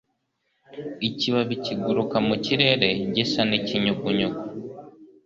Ikibabi kiguruka mu kirere gisa n'ikinyugunyugu